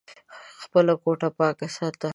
خپله کوټه پاکه ساته !